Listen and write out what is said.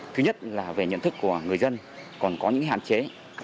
thứ nhất là về nhận thức của người dân còn có những hạn chế